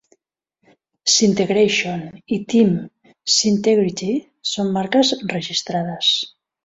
"Syntegration" i "Team Syntegrity" són marques registrades.